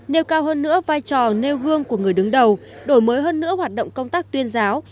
nêu cao hơn nữa vai trò nêu gương của người đứng đầu đổi mới hơn nữa hoạt động công tác tuyên giáo